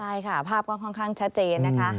ใช่ค่ะภาพก็ค่อนข้างชัดเจนนะคะ